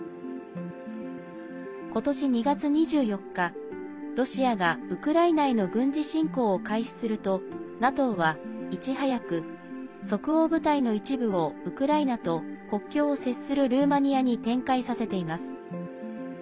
ことし２月２４日ロシアがウクライナへの軍事侵攻を開始するとＮＡＴＯは、いち早く即応部隊の一部をウクライナと国境を接するルーマニアに展開させています。